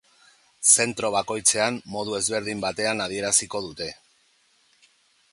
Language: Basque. Zentro bakoitzean modu ezberdin batean adieraziko dute.